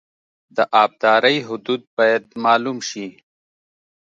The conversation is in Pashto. د ابدارۍ حدود باید معلوم شي